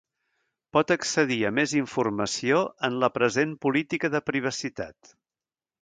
Pot accedir a més informació en la present política de privacitat.